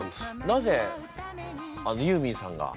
なぜユーミンさんが？